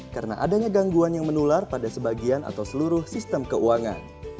karena adanya gangguan yang menular pada sebagian atau seluruh sistem keuangan